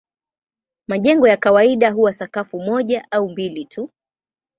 Majengo ya kawaida huwa sakafu moja au mbili tu.